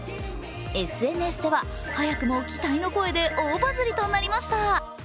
ＳＮＳでは、早くも期待の声で大バズりとなりました。